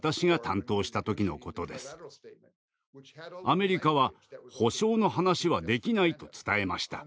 アメリカは「保障」の話はできないと伝えました。